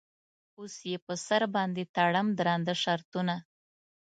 اوس یې په سر باندې تړم درانده شرطونه.